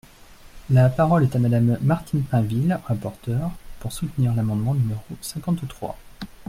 La parole est à Madame Martine Pinville, rapporteure, pour soutenir l’amendement numéro cinquante-trois.